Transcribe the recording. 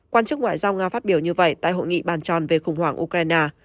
quan chức ngoại giao nga phát biểu như vậy tại hội nghị bàn tròn về khủng hoảng ukraine